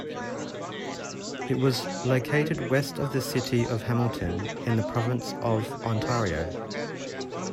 It was located west of the city of Hamilton in the province of Ontario.